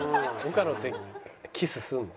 岡野ってキスするの？